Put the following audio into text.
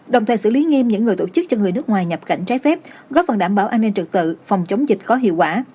đồng thời xử lý nghiêm những người tổ chức cho người nước ngoài nhập cảnh trái phép góp phần đảm bảo an ninh trực tự phòng chống dịch có hiệu quả